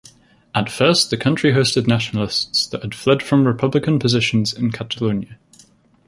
At first the country hosted nationalists that had fled from republican positions in Catalunya.